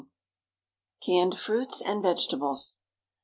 CANNED FRUITS AND VEGETABLES.